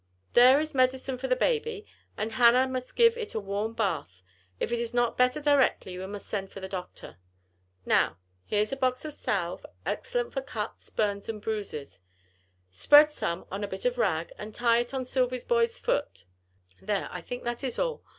There is medicine for the baby, and Hannah must give it a warm bath. If it is not better directly we must send for the doctor. Now, here is a box of salve, excellent for cuts, burns and bruises; spread some on a bit of rag, and tie it on Silvy's boy's foot. There, I think that is all.